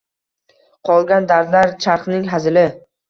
Qolgan dardlar charxning hazili